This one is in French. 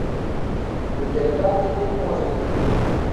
Le delta est beaucoup moins élevé.